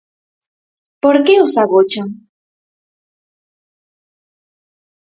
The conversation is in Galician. ¿Por que os agochan?